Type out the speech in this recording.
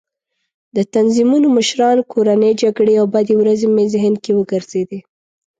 د تنظیمونو مشران، کورنۍ جګړې او بدې ورځې مې ذهن کې وګرځېدې.